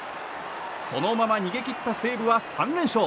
そのまま逃げ切った西武は３連勝。